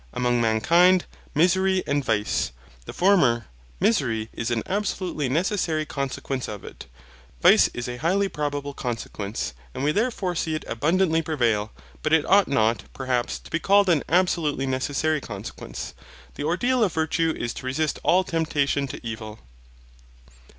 Among mankind, misery and vice. The former, misery, is an absolutely necessary consequence of it. Vice is a highly probable consequence, and we therefore see it abundantly prevail, but it ought not, perhaps, to be called an absolutely necessary consequence. The ordeal of virtue is to resist all temptation to evil.